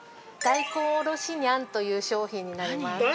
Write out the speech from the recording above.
大根おろしニャンという商品になります。